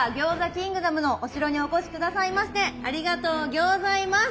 キングダムのお城にお越し下さいましてありがとうギョーザいます。